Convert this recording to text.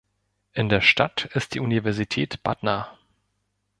In der Stadt ist die Universität Batna.